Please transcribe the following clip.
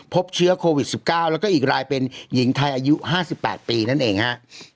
พบเชื้อโควิด๑๙แล้วก็อีกรายเป็นหญิงไทยอายุ๕๘ปีนั่นเองฮะ